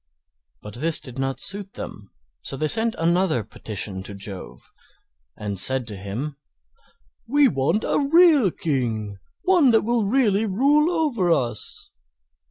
But this did not suit them, so they sent another petition to Jove, and said to him: "We want a real King; one that will really rule over us."